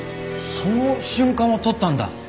その瞬間を撮ったんだ。